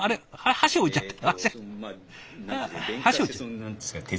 箸置いちゃった。